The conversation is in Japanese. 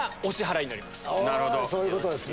そういうことですね。